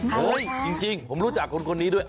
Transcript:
จริงผมรู้จักคนนี้ด้วย